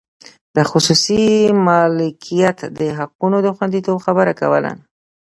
د خصوصي مالکیت د حقونو د خوندیتوب خبره کوله.